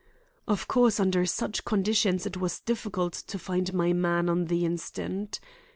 Of course, under such conditions it was difficult to find my man on the instant.